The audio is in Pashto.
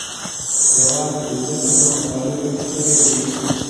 یوازې پنځه سلنه مقالې پکې خپریږي.